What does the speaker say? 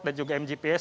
dan juga mgps